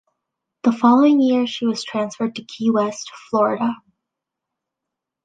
The following year she was transferred to Key West, Florida.